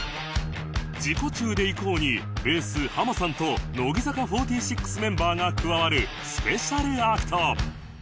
『ジコチューで行こう！』にベースハマさんと乃木坂４６メンバーが加わるスペシャルアクト